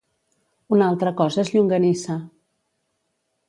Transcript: Una altra cosa és llonganissa.